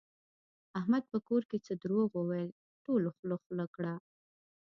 احمد په کور کې څه دروغ وویل ټولو خوله خوله کړ.